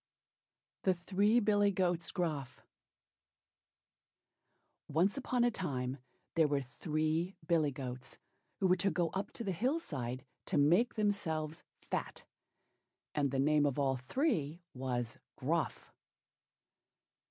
THE THREE BILLY GOATS GRUFF Once on a time there were three Billy goats, who were to go up to the hill side to make themselves fat, and the name of all three was "Gruff."